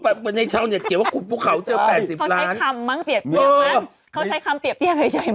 เขาใช้คำเปรียบเยี่ยมใหญ่มั้งนะเนี่ย